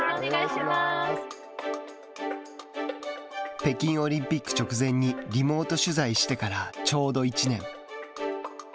北京オリンピック直前にリモート取材してからちょうど１年。